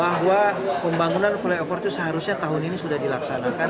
bahwa pembangunan flyover itu seharusnya tahun ini sudah dilaksanakan